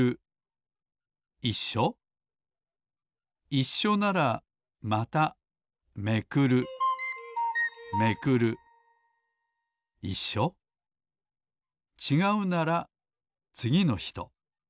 いっしょならまためくるちがうならつぎの人。